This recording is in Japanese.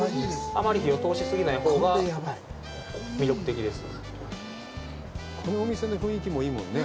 あまり火を通し過ぎないほうが魅力的です。